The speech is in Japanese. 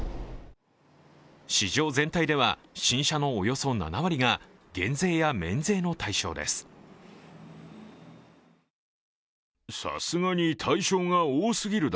市場全体では新車のおよそ７割が減税や免税の対象です。